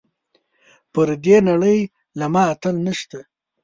پر دې نړۍ له ما اتل نشته .